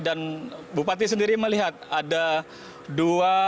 dan bupati sendiri melihat ada dua